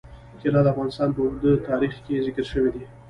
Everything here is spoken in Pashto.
طلا د افغانستان په اوږده تاریخ کې ذکر شوی دی.